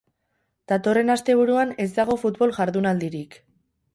Datorren asteburuan ez dago futbol jardunaldirik.